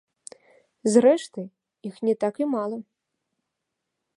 Зрэшты, іх не так і мала.